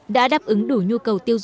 đã đáp ứng đủ nhu cầu tiêu dùng